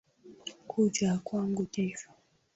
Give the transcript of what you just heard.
Kuja kwangu kesho